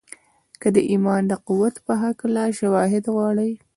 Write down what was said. که د ايمان د قوت په هکله شواهد غواړئ.